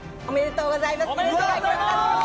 おめでとうございます。